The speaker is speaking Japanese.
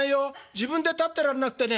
自分で立ってらんなくてね